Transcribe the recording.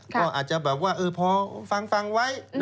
ก็อาจจะแบบว่าพอฟังไว้